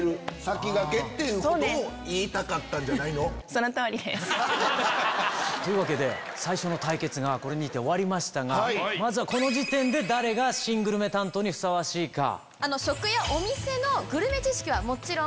言いたかったんじゃないの？というわけで最初の対決がこれにて終わりましたがこの時点で誰が新グルメ担当にふさわしいか。